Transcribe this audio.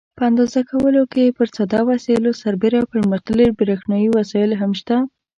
په اندازه کولو کې پر ساده وسایلو سربېره پرمختللي برېښنایي وسایل هم شته.